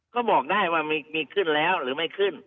ก็บอกได้ว่ามีขึ้นแล้วหรือไม่ขึ้น